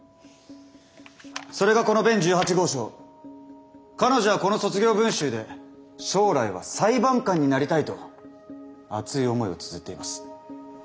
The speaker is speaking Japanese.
それがこの弁１８号証彼女はこの卒業文集で将来は裁判官になりたいと熱い思いをつづっています。